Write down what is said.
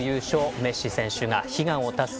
メッシ選手が悲願を達成。